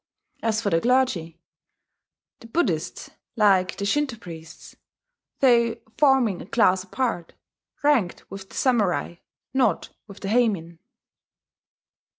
As for the clergy, the Buddhist (like the Shinto) priests, though forming a class apart, ranked with the samurai, not with the heimin.